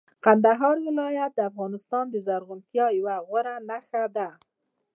د کندهار ولایت د افغانستان د زرغونتیا یوه غوره نښه ده.